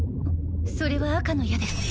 それは赤の矢です